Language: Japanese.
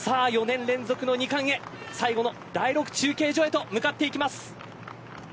４年連続の二冠へ最後の第６中継所へと向かっていきます。